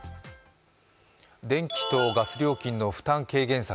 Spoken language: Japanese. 電気とガス料金の負担軽減策